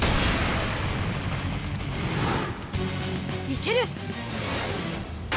いける！